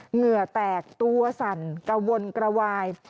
เหงื่อแตกตัวสั่นกระวนกระวาย